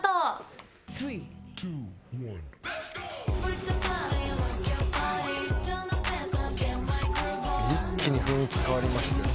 一気に雰囲気変わりましたよ。